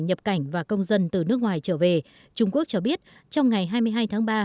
nhập cảnh và công dân từ nước ngoài trở về trung quốc cho biết trong ngày hai mươi hai tháng ba